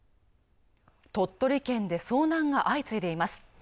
鳥取県で遭難が相次いでいます